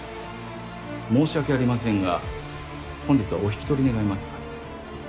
申し訳ありませんが本日はお引き取り願えますか？